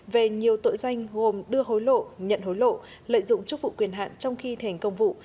về nhiều tội danh gồm đưa hối lộ nhận hối lộ lợi dụng chức vụ quyền hạn trong khi thành công vụ